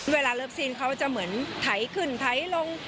เวลาเลิฟซีนเขาจะเหมือนไถขึ้นไถลง